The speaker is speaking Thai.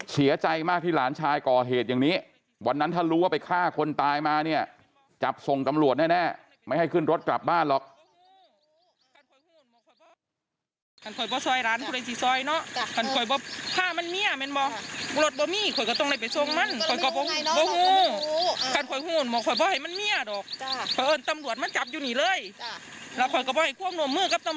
เสียใจมากที่หลานชายก่อเหตุอย่างนี้วันนั้นถ้ารู้ว่าไปฆ่าคนตายมาเนี่ยจับส่งตำรวจแน่ไม่ให้ขึ้นรถกลับบ้านหรอก